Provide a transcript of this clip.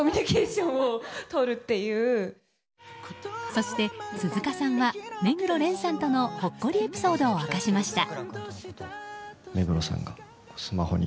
そして、鈴鹿さんは目黒蓮さんとのほっこりエピソードを明かしました。